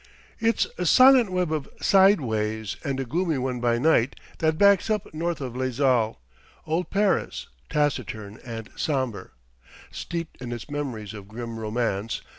It's a silent web of side ways and a gloomy one by night that backs up north of Les Halles: old Paris, taciturn and sombre, steeped in its memories of grim romance.